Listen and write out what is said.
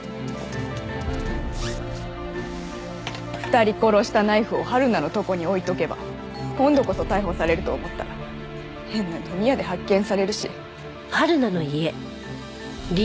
２人殺したナイフをはるなのとこに置いとけば今度こそ逮捕されると思ったら変な飲み屋で発見されるし。